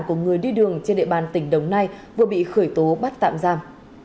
của người đi đường trên địa bàn tỉnh đồng nai vừa bị khởi tố bắt tạm giam